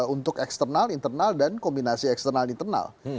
untuk eksternal internal dan kombinasi eksternal internal